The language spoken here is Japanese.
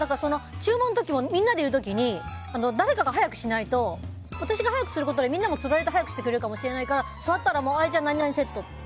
注文の時もみんなでいる時に誰かが早くしないと私が早くすることでみんなもつられて早くしてくれるかもしれないから座ったら、何々セットって。